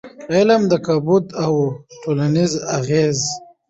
علم کمبود او ټولنیز اغېز